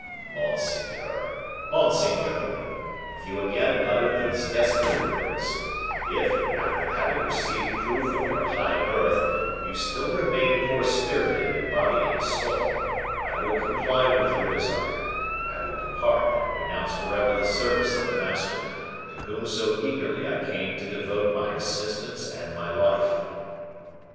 "Monseigneur, monseigneur; if you again utter these desperate words if, after having received proof of your high birth, you still remain poor spirited in body and soul, I will comply with your desire, I will depart, and renounce forever the service of a master, to whom so eagerly I came to devote my assistance and my life!"